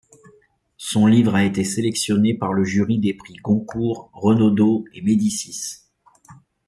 Son livre a été sélectionné par le jury des prix Goncourt, Renaudot et Médicis.